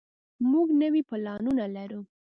موږ نوي پلانونه لرو.